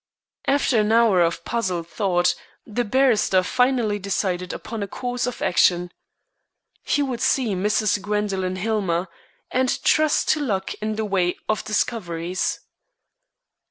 After an hour of puzzled thought the barrister finally decided upon a course of action. He would see Mrs. Gwendoline Hillmer, and trust to luck in the way of discoveries.